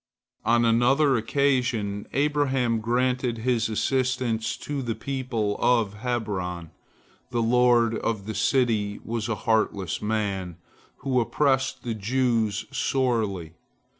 " On another occasion Abraham granted his assistance to the people of Hebron. The lord of the city was a heartless man, who oppressed the Jews sorely.